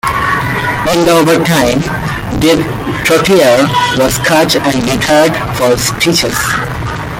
In the overtime, Dave Trottier was cut and retired for stitches.